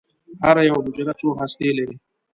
هره یوه حجره څو هستې لري.